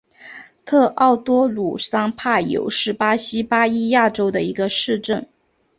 特奥多鲁桑帕尤是巴西巴伊亚州的一个市镇。